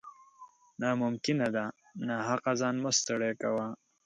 نا ممکنه ده ، ناحقه ځان مه ستړی کوه